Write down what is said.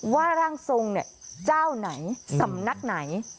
ร่างทรงเนี่ยเจ้าไหนสำนักไหน